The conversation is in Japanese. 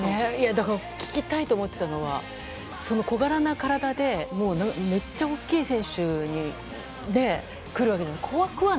だから、聞きたいと思ってたのは、その小柄な体でもうめっちゃ大きい選手で来るわけじゃない。